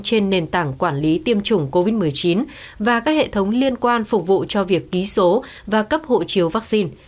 trên nền tảng quản lý tiêm chủng covid một mươi chín và các hệ thống liên quan phục vụ cho việc ký số và cấp hộ chiếu vaccine